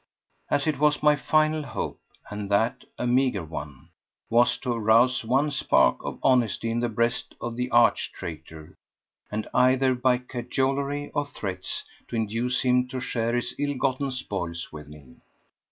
As it was, my final hope—and that a meagre one—was to arouse one spark of honesty in the breast of the arch traitor, and either by cajolery or threats, to induce him to share his ill gotten spoils with me.